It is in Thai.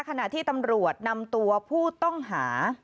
ขณะที่ตำรวจนำตัวผู้ต้องหา